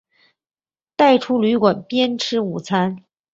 带出旅馆边吃午餐